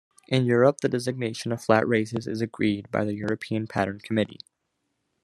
In Europe the designation of flat races is agreed by the European Pattern Committee.